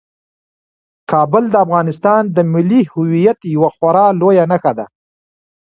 کابل د افغانستان د ملي هویت یوه خورا لویه نښه ده.